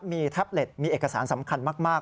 มีแท็บเล็ตมีเอกสารสำคัญมาก